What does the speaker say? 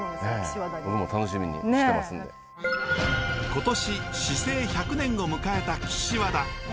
今年市制１００年を迎えた岸和田。